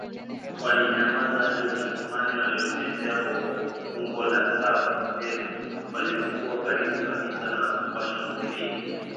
walinyamaza hadi Wajerumani waliotembea kwa umbo la safu ndefu walipokuwa karibu kabisa na kuwashambulia